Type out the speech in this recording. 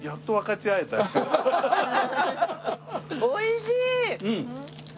おいしい！